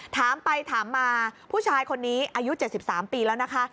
ถามไปถามมาผู้ชายคนนี้อายุ๗๓ปีแล้วนะคะ